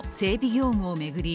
業務を巡り